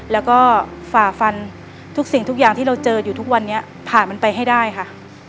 แล้วก็ฝ่าฟันทุกสิ่งทุกอย่างที่เราเจออยู่ทุกวันนี้ผ่านมันไปให้ได้ค่ะ